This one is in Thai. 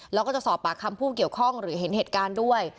แล้วก็จะสอบปากคำผู้เกี่ยวข้องหรือเห็นเหตุการณ์ด้วย